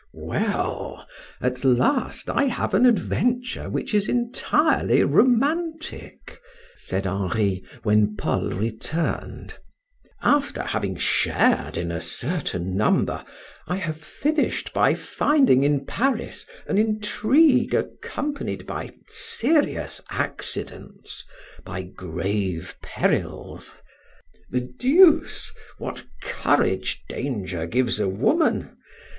"Well, at last I have an adventure which is entirely romantic," said Henri, when Paul returned. "After having shared in a certain number I have finished by finding in Paris an intrigue accompanied by serious accidents, by grave perils. The deuce! what courage danger gives a woman!